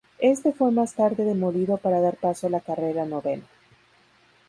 Este fue más tarde demolido para dar paso a la carrera Novena.